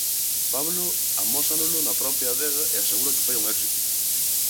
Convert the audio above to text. Pablo amósanolo na propia adega e asegura que foi un éxito.